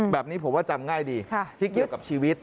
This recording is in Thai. แบบนี้ผมว่าจำง่ายดีที่เกี่ยวกับชีวิต